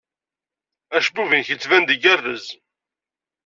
Acebbub-nnek yettban-d igerrez.